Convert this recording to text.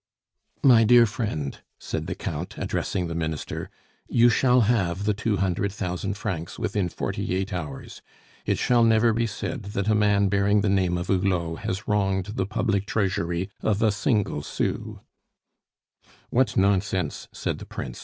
"My dear friend," said the Count, addressing the Minister, "you shall have the two hundred thousand francs within forty eight hours. It shall never be said that a man bearing the name of Hulot has wronged the public treasury of a single sou." "What nonsense!" said the Prince.